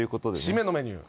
締めのメニュー。